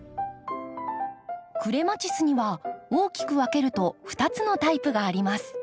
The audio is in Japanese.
クレマチスには大きく分けると２つのタイプがあります。